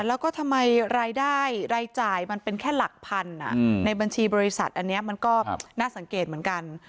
แล้วก็ทำไมรายได้รายจ่ายมันเป็นแค่หลักพันในบัญชีบริษัทอันนี้มันก็น่าสังเกตเหมือนกัน